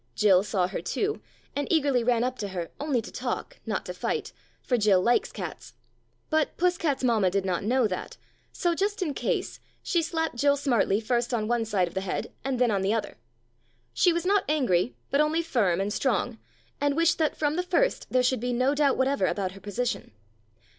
Jill saw her, too, and eagerly ran up to her only to talk, not to fight, for Jill likes cats. But Puss cat's mamma did not know that, so, just in case, she slapped Jill smartly first on one side the head, and then on the other. She was not angry, but only firm and strong, and wished that from the first there should be no doubt whatever about her position.